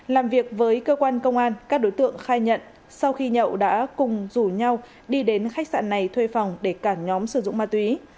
làm việc với cơ quan công an các đối tượng khai nhận sau khi nhậu đã cùng rủ nhau đi đến khách sạn này thuê phòng để cả nhóm sử dụng ma túy